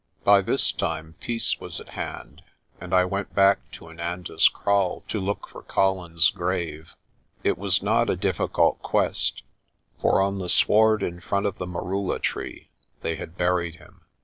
A GREAT PERIL 265 By this time peace was at hand and I went back to Inanda's Kraal to look for Colin's grave. It was not a difficult quest, for on the sward in front of the merula tree they had buried him.